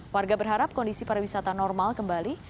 warga berharap kondisi para wisata normal kembali